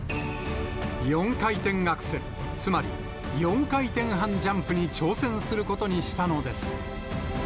４回転アクセル、つまり４回転半ジャンプに挑戦することにしたのです。